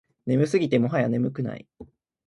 眠すぎてもはや眠くない